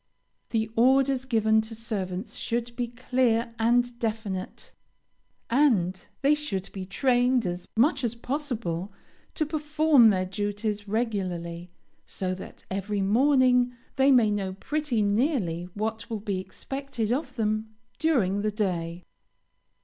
The orders given to servants should be clear and definite; and they should be trained as much as possible to perform their duties regularly, so that every morning they may know pretty nearly what will be expected of them during the day.